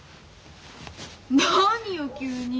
何よ急に。